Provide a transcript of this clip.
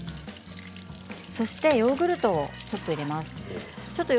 そしてヨーグルトをちょっと入れます。